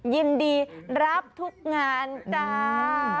ยินดีรับทุกงานจ้า